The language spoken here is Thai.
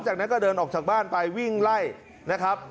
จากนั้นก็เดินออกจากบ้านไปวิ่งไล่นะครับ